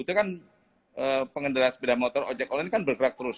itu kan pengendara sepeda motor ojek online kan bergerak terus